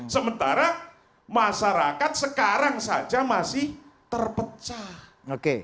sementara masyarakat sekarang saja masih terpecah